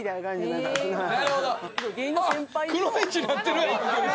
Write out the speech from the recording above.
あくノ一なってるやん！